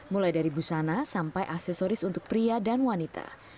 mulai dari busana sampai aksesoris untuk pria dan wanita